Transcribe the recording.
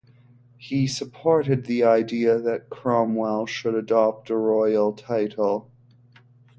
He supported the idea that Cromwell should adopt a royal title.